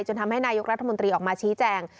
ทำให้นายกรัฐมนตรีออกมาชี้แจง